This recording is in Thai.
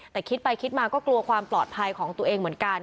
แต่คิดไปคิดมาก็กลัวความปลอดภัยของตัวเองเหมือนกัน